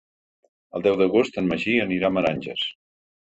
El deu d'agost en Magí anirà a Meranges.